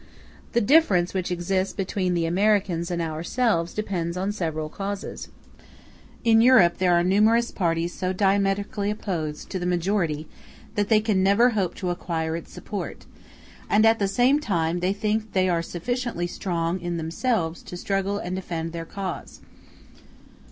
The difference which exists between the Americans and ourselves depends on several causes. In Europe there are numerous parties so diametrically opposed to the majority that they can never hope to acquire its support, and at the same time they think that they are sufficiently strong in themselves to struggle and to defend their cause.